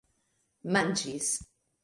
manĝis